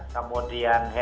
kemudian hand sanitizer